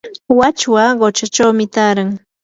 wachwa quchachawmi taaran.